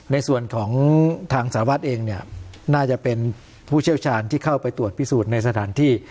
ในส่วนของทางสารวัตรเองเนี่ยน่าจะเป็นผู้เชี่ยวชาญที่เข้าไปตรวจพิสูจน์ในสถานที่